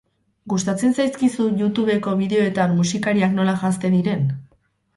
Gustatzen zaizkizu Youtubeko bideoetan musikariak nola janzten diren?